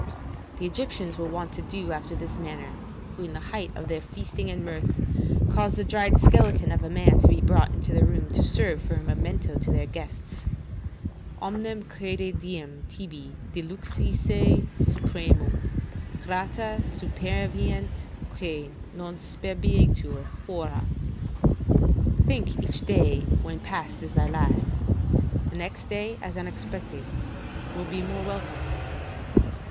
The Egyptians were wont to do after this manner, who in the height of their feasting and mirth, caused a dried skeleton of a man to be brought into the room to serve for a memento to their guests: "Omnem crede diem tibi diluxisse supremum Grata superveniet, quae non sperabitur, hora." ["Think each day when past is thy last; the next day, as unexpected, will be the more welcome."